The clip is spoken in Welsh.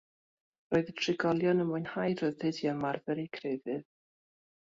Roedd y trigolion yn mwynhau rhyddid i ymarfer eu crefydd.